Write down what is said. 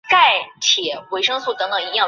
在清民两代都到了顶峰。